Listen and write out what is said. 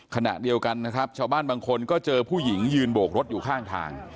ขณะเดียวกันนะครับชาวบ้านบางคนก็เจอผู้หญิงยืนโบกรถอยู่ข้างทาง